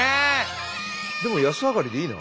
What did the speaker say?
でも安上がりでいいな。